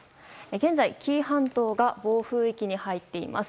現在、紀伊半島が暴風域に入っています。